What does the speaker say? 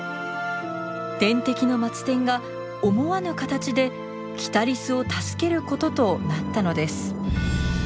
天敵のマツテンが思わぬ形でキタリスを助けることとなったのです。